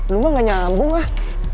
lu mah gak nyambung ah